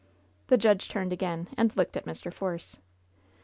The judge turned again and looked at Mr. Force.